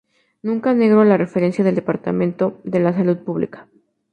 Nunca negó la referencia del departamento de salud pública.